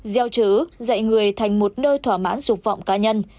gieo trứ dạy người thành một nơi thỏa mãn dục vọng cá nhân